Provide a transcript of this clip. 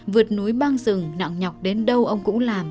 vượt núi bang rừng nặng nhọc đến đâu ông cũng làm